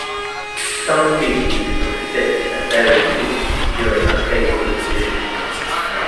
Some species can persist as buried seeds during unfavorable conditions.